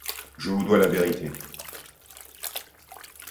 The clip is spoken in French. Je vous dois la vérité.